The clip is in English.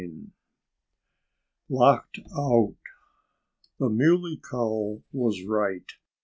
XI LOCKED OUT The Muley Cow was right.